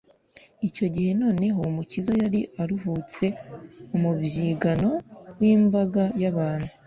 icyo gihe noneho umukiza yari aruhutse umubyigano w’imbaga y’abantu